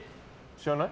知らない？